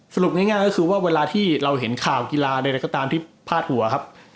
สรุปง่ายก็คือเวลาที่เราเห็นข่าวกีฬาใดก็ตามพลอดหั่วครับ